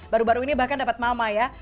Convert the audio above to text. baru baru ini bahkan dapat mama ya